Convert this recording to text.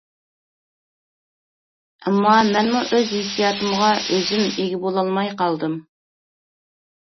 ئەمما، مەنمۇ ئۆز ھېسسىياتىمغا ئۆزۈم ئىگە بولالماي قالدىم.